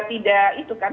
tidak itu kan